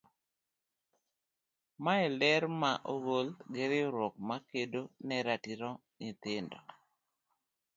Mae ler ma ogol gi riwruok ma kedo ne ratich nyithindo.